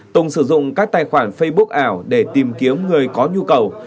tùng sử dụng các tài khoản facebook ảo để tìm kiếm người có nhu cầu